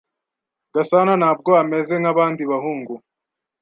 Gasana ntabwo ameze nkabandi bahungu.